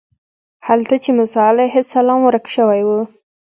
هلته چې موسی علیه السلام ورک شوی و.